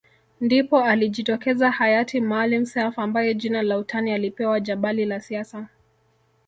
Ndipo alijitokeza Hayati Maalim Self ambaye jina la utani alipewa Jabali la siasa